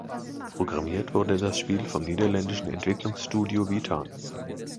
Programmiert wurde das Spiel vom niederländischen Entwicklungsstudio Witan.